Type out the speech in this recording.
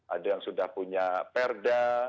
ada yang sudah punya perda